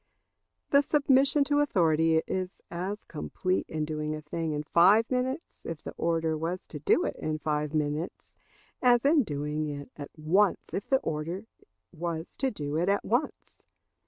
The submission to authority is as complete in doing a thing in five minutes if the order was to do it in five minutes, as in doing it at once if the order was to do it at once.